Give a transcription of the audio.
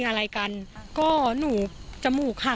ก็กลายเป็นว่าติดต่อพี่น้องคู่นี้ไม่ได้เลยค่ะ